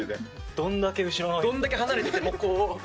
どんだけ離れててもこう。